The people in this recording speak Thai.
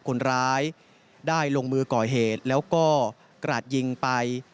คนร้ายได้ลงมือก่อเหตุแล้วก็กราดยิงไป